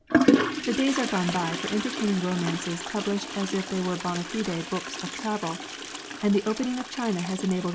The days are gone by for entertaining romances published as if they were hond fide books of travel, and the opening of China has enabled